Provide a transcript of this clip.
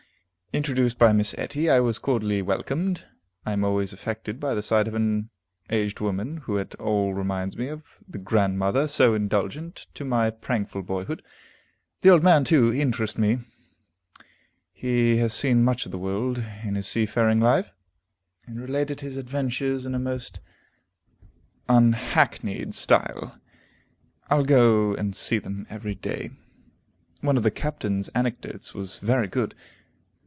Introduced by Miss Etty, I was cordially welcomed. I am always affected by the sight of an aged woman who at all reminds me of the grandmother so indulgent to my prankful boyhood. The old man, too, interested me; he has seen much of the world, in his seafaring life, and related his adventures in a most unhackneyed style. I'll go and see them every day. One of the Captain's anecdotes was very good.